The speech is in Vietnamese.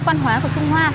văn hóa của trung hoa